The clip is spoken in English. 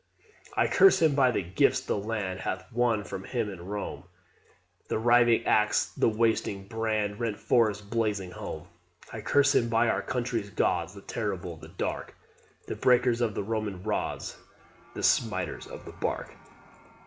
"I curse him by the gifts the land Hath won from him and Rome The riving axe, the wasting brand, Rent forest, blazing home. I curse him by our country's gods, The terrible, the dark, The breakers of the Roman rods, The smiters of the bark.